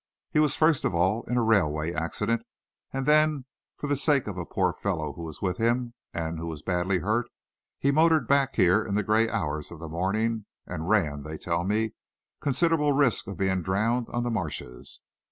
He was first of all in a railway accident, and then, for the sake of a poor fellow who was with him and who was badly hurt, he motored back here in the grey hours of the morning and ran, they tell me, considerable risk of being drowned on the marshes.